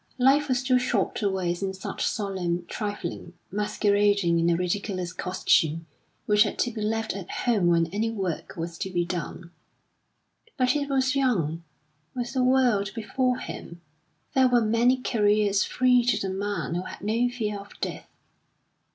Life was too short to waste in such solemn trifling, masquerading in a ridiculous costume which had to be left at home when any work was to be done. But he was young, with the world before him; there were many careers free to the man who had no fear of death.